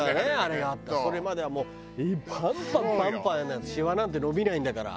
それまではもうパンパンパンパンやらないとしわなんて伸びないんだから。